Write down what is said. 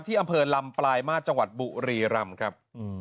อำเภอลำปลายมาตรจังหวัดบุรีรำครับ